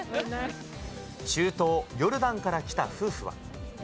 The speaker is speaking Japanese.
中東ヨルダンから来た夫婦は。